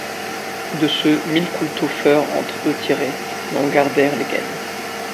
De ce, mille coulteaux feurent entre eulx tirez, mais en garduèrent les guaisnes.